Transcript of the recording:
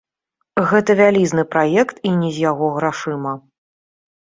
Гэта вялізны праект і не з яго грашыма.